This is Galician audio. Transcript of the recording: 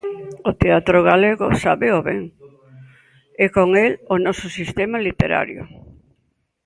O teatro galego sábeo ben, e con el, o noso sistema literario.